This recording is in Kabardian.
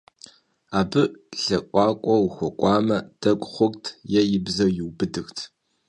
Абы лъэӀуакӀуэ ухуэкӀуэмэ, дэгу хъурт, е и бзэр иубыдырт.